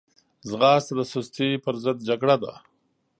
ځغاسته د سستي پر ضد جګړه ده